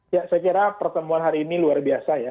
ya saya kira pertemuan hari ini luar biasa ya